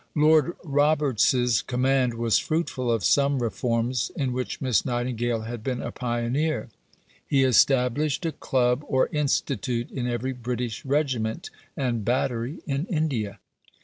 Lord Roberts's command was fruitful of some reforms in which Miss Nightingale had been a pioneer. He established a club or institute in every British regiment and battery in India.